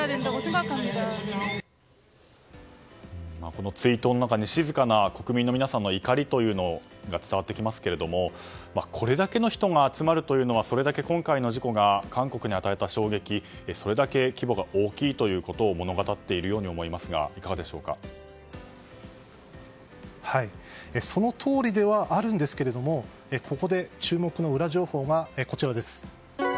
この追悼の中に静かな国民の皆さんの怒りというのが伝わってきますがこれだけの人が集まるというのはそれだけ今回の事故が韓国に与えた衝撃それだけ規模が大きいことを物語っているように思いますがそのとおりではあるんですけどここで注目のウラ情報です。